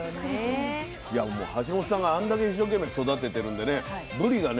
橋本さんがあんだけ一生懸命育ててるんでねぶりがね